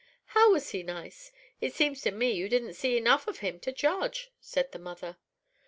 "How was he nice? It seems to me you didn't see enough of him to judge," said her mother.